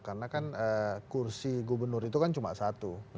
karena kan kursi gubernur itu kan cuma satu